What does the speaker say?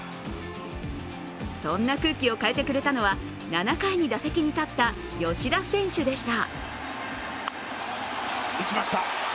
そんな空気を変えてくれたのは７回に打席に立った吉田選手でした。